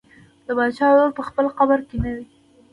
د باچا لور په خپل قبر کې نه وي.